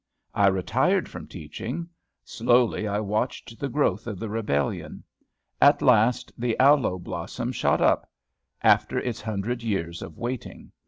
I retired from teaching. Slowly I watched the growth of the rebellion. At last the aloe blossom shot up, after its hundred years of waiting.